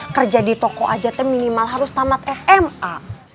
kerja di toko aja tuh minimal harus tamat sma